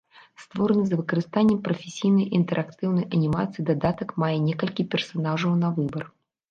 Створаны з выкарыстаннем прафесійнай інтэрактыўнай анімацыі дадатак мае некалькі персанажаў на выбар.